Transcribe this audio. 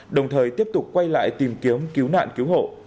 đồng thời tiếp tục quay lại tìm kiếm cứu nạn cứu hộ